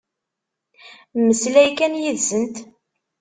Mmeslay kan yid-sent.